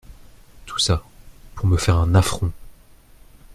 Tout ça, pour me faire un affront !